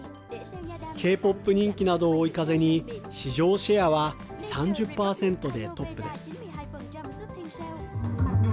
Ｋ−ＰＯＰ人気などを追い風に、市場シェアは３０％でトップです。